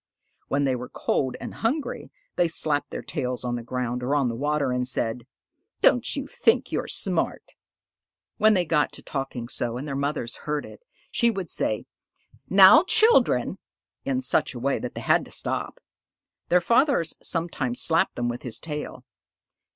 When they were cold and hungry, they slapped their tails on the ground or on the water and said, "Don't you think you're smart!" When they got to talking so and their mother heard it, she would say, "Now, children!" in such a way that they had to stop. Their father sometimes slapped them with his tail.